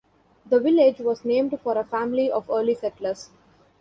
The village was named for a family of early settlers.